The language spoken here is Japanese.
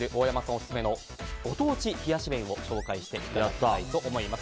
オススメのご当地冷やし麺を紹介していただきたいと思います。